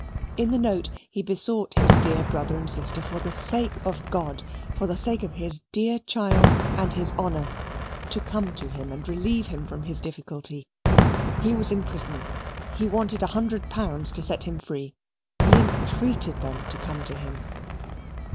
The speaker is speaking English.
In the note he besought his dear brother and sister, for the sake of God, for the sake of his dear child and his honour, to come to him and relieve him from his difficulty. He was in prison, he wanted a hundred pounds to set him free he entreated them to come to him.